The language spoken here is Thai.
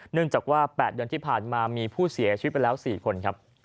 เนื่องจากว่า๘เดือนที่ผ่านมามีผู้เสียชีวิตไปแล้ว๔คนครับ